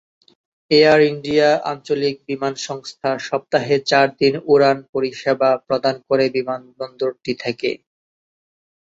Air India আঞ্চলিক বিমান সংস্থা সপ্তাহে চার দিন উড়ান পরিষেবা প্রদান করে বিমানবন্দরটি থেকে।